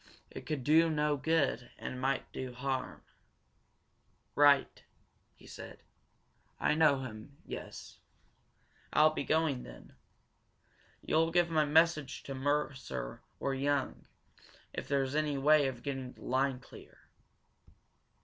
It could do no good and it might do harm. "Right," he said. "I know him yes. I'll be going, then. You'll give my message to Mercer or Young if there's any way of getting the line clear?"